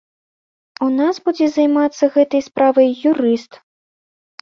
У нас будзе займацца гэтай справай юрыст.